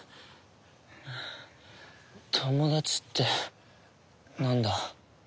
友達って何だ？